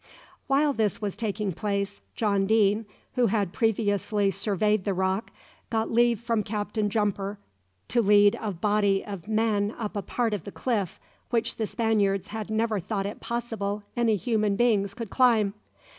While this was taking place, John Deane, who had previously surveyed the rock, got leave from Captain Juniper to lead a body of men up a part of the cliff which the Spaniards had never thought it possible any human beings could climb.